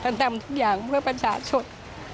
ทำทุกอย่างเพื่อประชาชน